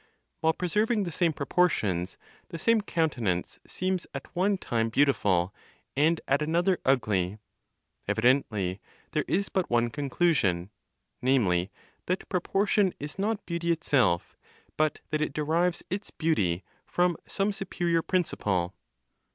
While preserving the same proportions, the same countenance seems at one time beautiful, and at another ugly. Evidently, there is but one conclusion: namely, that proportion is not beauty itself, but that it derives its beauty from some superior principle.